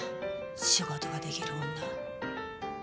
仕事ができる女。